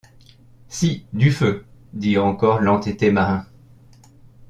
Si, du feu! dit encore l’entêté marin.